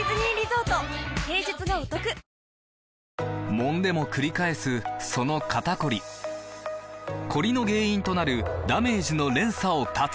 もんでもくり返すその肩こりコリの原因となるダメージの連鎖を断つ！